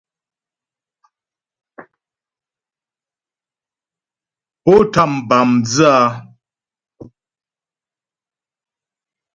Pó tám bǎ mdzə́ a ?